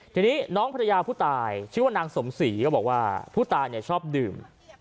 ทีนี้น้องภรรยาผู้ตายชื่อว่านางสมศรีก็บอกว่าผู้ตายชอบดื่ม